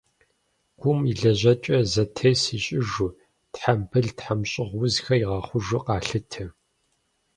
Гум и лэжьэкӏэр зэтес ищӏыжу, тхьэмбыл-тхьэмщӏыгъу узхэр игъэхъужу къалъытэ.